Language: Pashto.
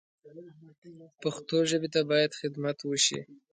پښتو ژبې ته باید خدمت وشي